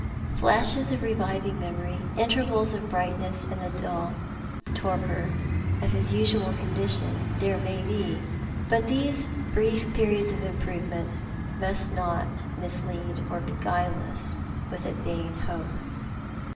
"Flashes of reviving memory, intervals of brightness in the dull torpor of his usual condition there may be ; but these brief periods of improvement must not mislead or beguile us with a vain hope.